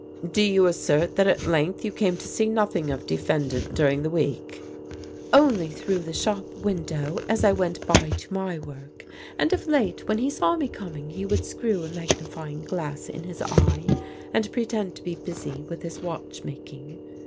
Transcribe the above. "Do you assert that at length you came to see nothing of defendant during the week?" "Only through the shop window as I went by to my work. And of late, when he saw me coming, he would screw a magnifying glass in his eye and pretend to be busy with his watch making.